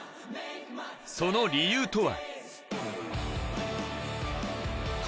その理由とは？